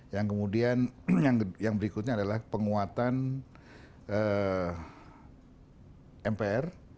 yang kemudian yang berikutnya adalah penguatan mpr